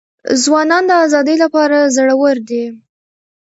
ځوانان د ازادۍ لپاره زړه ور دي.